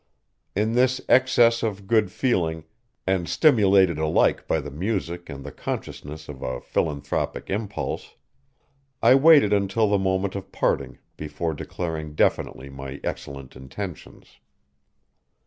In this excess of good feeling, and stimulated alike by the music and the consciousness of a philanthropic impulse, I waited until the moment of parting before declaring definitely my excellent intentions.